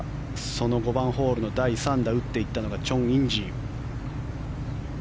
その５番ホールの第３打を打っていったのがチョン・インジ。